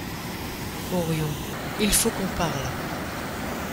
Orion: il faut qu’on parle.